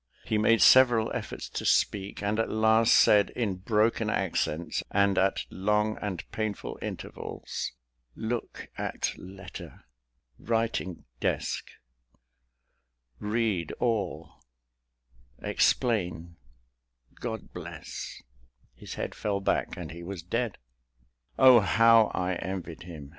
He made several efforts to speak, and at last said, in broken accents, and at long and painful intervals, "Look at letter writing desk read all explain God bless " His head fell back, and he was dead. Oh, how I envied him!